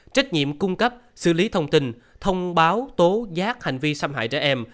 trách nhiệm cung cấp xử lý thông tin thông báo tố giác hành vi xâm hại trẻ em